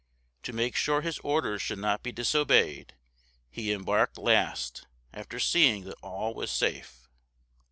To make sure his orders should not be disobeyed, he embarked last, after seeing that all was safe.